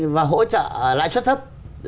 và hỗ trợ lại suất thấp